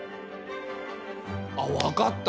あっわかった！